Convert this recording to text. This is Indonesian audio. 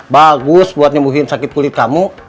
bagus buat nyembuhkan sakit kulit kamu